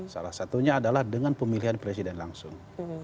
salah satunya adalah dengan pemilihan presiden langsung